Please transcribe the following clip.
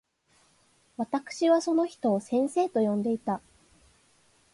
私はその人を先生と呼んでいた。